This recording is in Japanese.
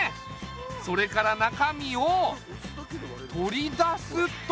それから中身を取り出すと。